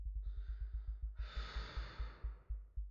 尚书瞿景淳之次子。